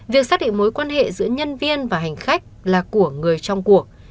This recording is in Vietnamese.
việc xác định mối quan hệ giữa nhân viên và hành khách là của người trong cuộc